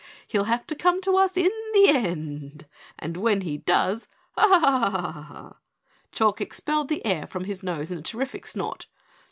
He'll have to come to us in the end and when he does! Hah!" Chalk expelled the air from his nose in a terrific snort.